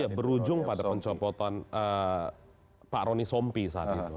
ya berujung pada pencopotan pak roni sompi saat itu